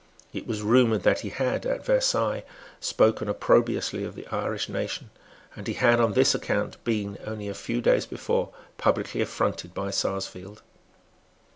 It was rumoured that he had, at Versailles, spoken opprobriously of the Irish nation; and he had, on this account, been, only a few days before, publicly affronted by Sarsfield.